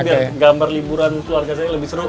biar gambar liburan keluarga saya lebih seru